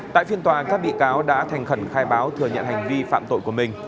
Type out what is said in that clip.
tại phiên tòa các bị cáo đã thành khẩn khai báo thừa nhận hành vi phạm tội của mình